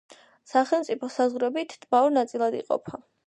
სახელმწიფო საზღვრით ტბა ორ ნაწილად იყოფა.